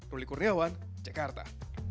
ruli kurniawan jakarta